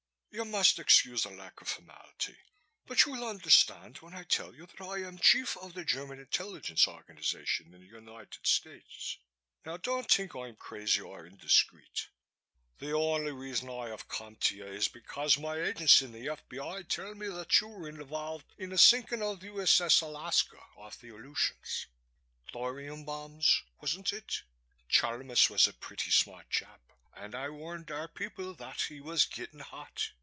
"You must excuse the lack of formality but you will understand when I tell you that I am chief of the German intelligence organization in the United States. Now don't think I'm crazy or indiscreet. The only reason I have come to you is because my agents in the F.B.I. tell me that you are involved in the sinking of U.S.S. Alaska off the Aleutians. Thorium bombs, wasn't it? Chalmis was a pretty smart chap and I warned our people that he was getting hot.